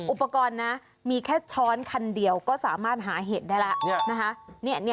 อุปกรณ์นะมีแค่ช้อนคันเดียวก็สามารถหาเห็ดได้แล้วนะคะ